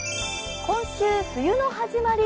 今週、冬のはじまり。